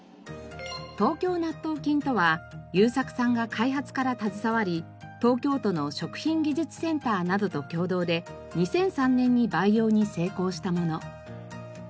東京納豆菌とは遊作さんが開発から携わり東京都の食品技術センターなどと共同で２００３年に培養に成功したもの。